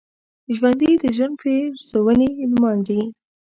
ژوندي د ژوند پېرزوینې لمانځي